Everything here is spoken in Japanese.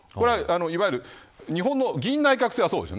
いわゆる日本の議院内閣制はそうです。